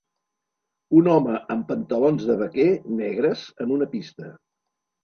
Un home amb pantalons de vaquer negres en una pista